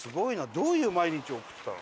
どういう毎日を送ってたの？